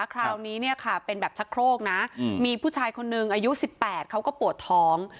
คราวนี้เนี่ยค่ะเป็นแบบชะโครกนะมีผู้ชายคนนึงอายุ๑๘เขาก็ปวดท้อง